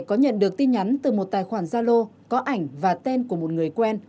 có nhận được tin nhắn từ một tài khoản gia lô có ảnh và tên của một người quen